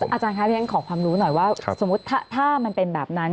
อาจารย์คะเรียนขอความรู้หน่อยว่าสมมุติถ้ามันเป็นแบบนั้น